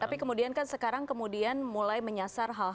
tapi kemudian kan sekarang kemudian mulai menyasar hal hal